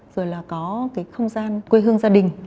rồi là có cái không gian quê hương gia đình